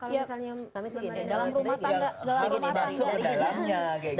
kalau misalnya dalam rumah tangga